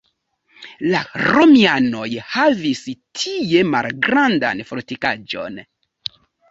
La romianoj havis tie malgrandan fortikaĵon.